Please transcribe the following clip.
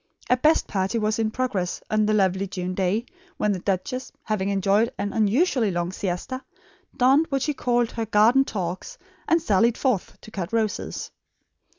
A "best party" was in progress on the lovely June day when the duchess, having enjoyed an unusually long siesta, donned what she called her "garden togs" and sallied forth to cut roses.